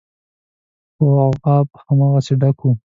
خو غاب هماغسې ډک و.